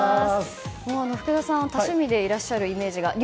福田さんは多趣味でいらっしゃるイメージが。